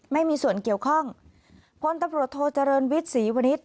ไม่มีส่วนเกี่ยวข้องพลตำรวจโทเจริญวิทย์ศรีวณิชย